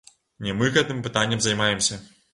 Не мы гэтым пытаннем займаемся.